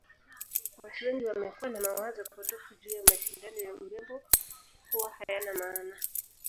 Watu wengi wamekuwa na mawazo potofu juu ya mashindano ya urembo kuwa hayana maana